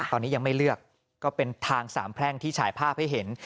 ตอนนี้ยังไม่เลือกก็เป็นทางสามแพร่งที่ฉายภาพให้เห็น